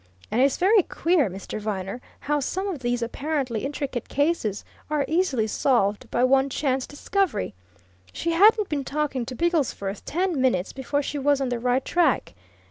And it's very queer, Mr. Viner, how some of these apparently intricate cases are easily solved by one chance discovery! she hadn't been talking to Bigglesforth ten minutes before she was on the right track.